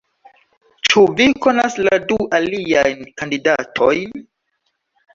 Ĉu vi konas la du aliajn kandidatojn?